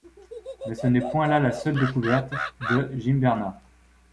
Mais ce n'est point là la seule découverte de Gimbernat.